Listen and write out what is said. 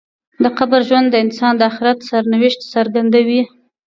د قبر ژوند د انسان د آخرت سرنوشت څرګندوي.